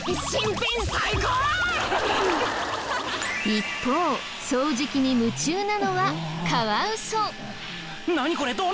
一方掃除機に夢中なのはカワウソ。